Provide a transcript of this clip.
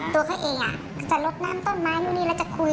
ตัวเขาเองจะลดน้ำต้นไม้นู่นนี่แล้วจะคุย